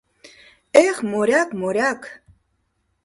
— Эх, моряк, моряк!